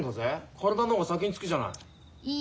体の方が先に着くじゃない。